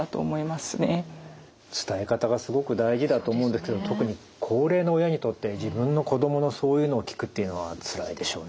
伝え方がすごく大事だと思うんですけど特に高齢の親にとって自分の子供のそういうのを聞くっていうのはつらいでしょうね。